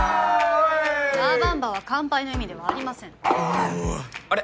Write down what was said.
ラ・バンバは乾杯の意味ではありませんあれ？